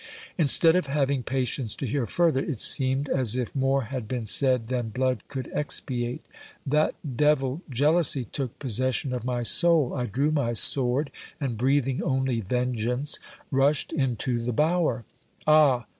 Instead of having patience to hear further, it seemed as if more had been said than blood could expiate ; that devil, jealousy, took pos session of my soul ; I drew my sword, and breathing only vengeance, rushed into the bower. Ah